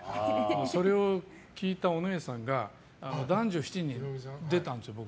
それを聞いた、お姉さんが「男女７人」に出たんですよ、僕。